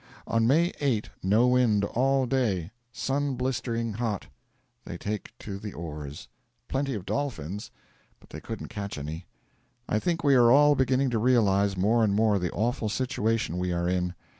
On May 8 no wind all day; sun blistering hot; they take to the oars. Plenty of dolphins, but they couldn't catch any. 'I think we are all beginning to realise more and more the awful situation we are in.'